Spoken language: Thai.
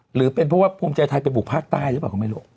หรือเป็นเพราะว่าภูมิใจไทยไปบุกภาคใต้หรือเปล่าก็ไม่รู้